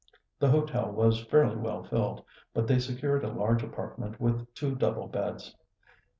The hotel was fairly well filled, but they secured a large apartment with two double beds.